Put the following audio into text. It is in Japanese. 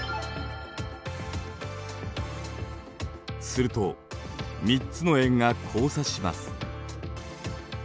すると３つの円が交差します。